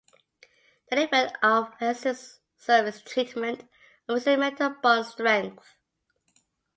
The effect of adhesive surface treatment on resin-metal bond strength.